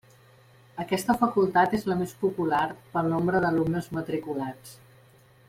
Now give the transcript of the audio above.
Aquesta facultat és la més popular pel nombre d'alumnes matriculats.